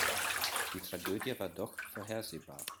Die Tragödie war doch vorhersehbar.